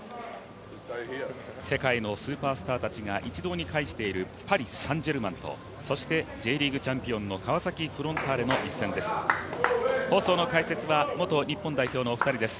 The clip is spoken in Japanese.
世界のスーパースターたちが一堂に会しているパリ・サン＝ジェルマンとそしてＪリーグチャンピオンの川崎フロンターレの一戦です。